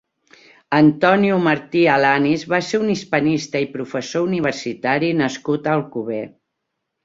Antonio Martí Alanis va ser un hispanista i professor universitari nascut a Alcover.